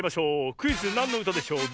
クイズ「なんのうたでしょう」